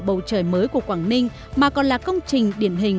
bầu trời mới của quảng ninh mà còn là công trình điển hình